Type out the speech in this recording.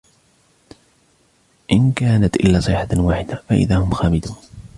إِنْ كَانَتْ إِلَّا صَيْحَةً وَاحِدَةً فَإِذَا هُمْ خَامِدُونَ